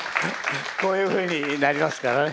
こういうふうになりますからね。